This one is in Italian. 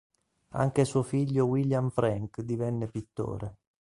Anche suo figlio William Frank divenne pittore.